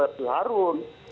seperti membelah atasannya